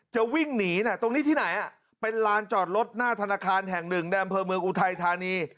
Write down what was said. จะวิ่งหนีตรงนี้ที่ไหนเป็นลานจอดรถหน้าธนาคารแห่งหนึ่งในอำเภอเมืองอุทัยธานี